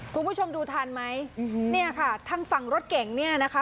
คุณผู้ชมดูทันไหมเนี่ยค่ะทางฝั่งรถเก่งเนี่ยนะคะ